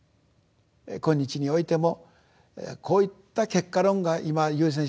今日においてもこういった結果論が今優先します。